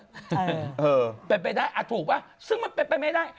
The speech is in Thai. เออเป็นไปได้อ่ะถูกป่ะซึ่งมันเป็นไปไม่ได้